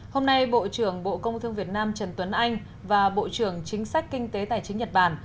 hôm nay bộ trưởng bộ công thương việt nam trần tuấn anh và bộ trưởng chính sách kinh tế tài chính nhật bản